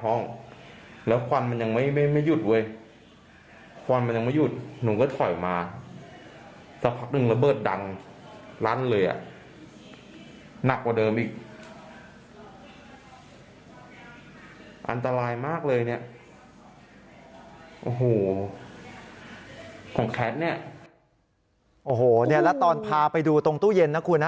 โอ้โหแล้วตอนพาไปดูตรงตู้เย็นนะคุณฮะ